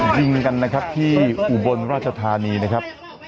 ยิงกันนะครับที่อุบลราชธานีนะครับ